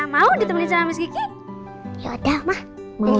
mau ditemani sama miss gigi